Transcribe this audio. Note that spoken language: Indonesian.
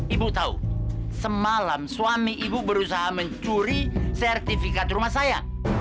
ibu tahu semalam suami ibu berusaha mencuri sertifikat rumah saya